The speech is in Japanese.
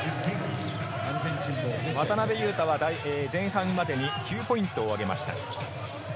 渡邊雄太は前半までに９ポイントをあげました。